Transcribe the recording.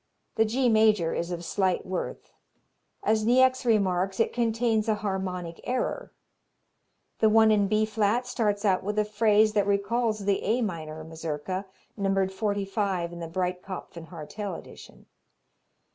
The G major is of slight worth. As Niecks remarks, it contains a harmonic error. The one in B flat starts out with a phrase that recalls the A minor Mazurka, numbered 45 in the Breitkopf & Hartel edition.